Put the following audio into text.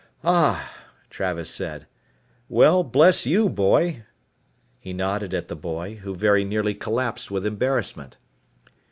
"Ah," Travis said. "Well, bless you, boy." He nodded at the boy, who very nearly collapsed with embarrassment.